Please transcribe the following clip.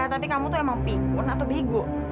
tapi kamu tuh emang pikun atau bingung